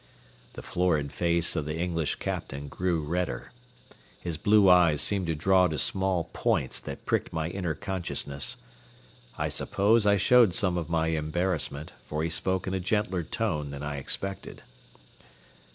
The florid face of the English captain grew redder. His blue eyes seemed to draw to small points that pricked my inner consciousness. I suppose I showed some of my embarrassment, for he spoke in a gentler tone than I expected.